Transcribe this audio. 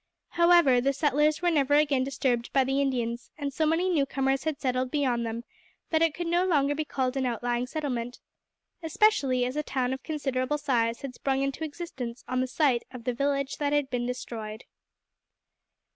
However, the settlers were never again disturbed by the Indians, and so many new comers had settled beyond them that it could no longer be called an outlying settlement, especially as a town of considerable size had sprung into existence on the site of the village that had been destroyed.